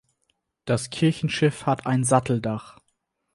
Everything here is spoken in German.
Das Kirchenschiff hat ein Satteldach.